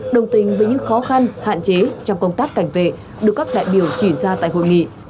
đồng tình với những khó khăn hạn chế trong công tác cảnh vệ được các đại biểu chỉ ra tại hội nghị